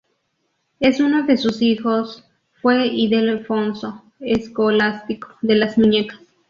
Uno de sus hijos fue Ildefonso Escolástico de las Muñecas.